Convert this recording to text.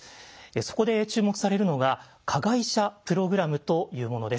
そこで注目されるのが「加害者プログラム」というものです。